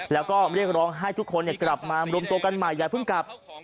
แล้วก็เรียกร้องให้ทุกคนกลับมารวมตัวกันใหม่อย่าเพิ่งกลับ